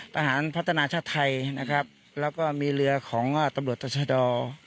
ทหารพัฒนาชาติไทยนะครับแล้วก็มีเรือของตำรวจต่อชะดอ